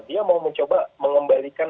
dia mau mencoba mengembalikan